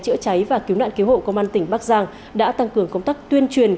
chữa cháy và cứu nạn cứu hộ công an tỉnh bắc giang đã tăng cường công tác tuyên truyền